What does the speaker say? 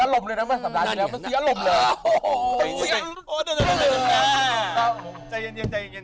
คุณสีนระลมนะครับคุณสีนระลมเลยน้ำอี้